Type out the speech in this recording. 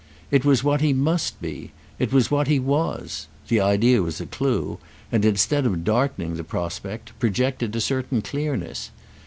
It was what he must be. It was what he was. The idea was a clue and, instead of darkening the prospect, projected a certain clearness.